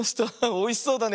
おいしそうだね。